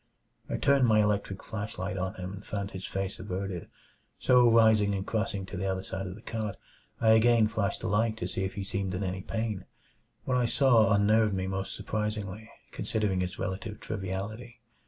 I turned my electric flashlight on him and found his face averted; so rising and crossing to the other side of the cot, I again flashed the light to see if he seemed in any pain. What I saw unnerved me most surprisingly, considering its relative triviality.